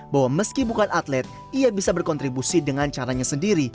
bahwa meski bukan atlet ia bisa berkontribusi dengan caranya sendiri